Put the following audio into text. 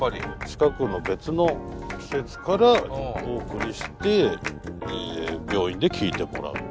近くの別の施設からお送りして病院で聴いてもらう。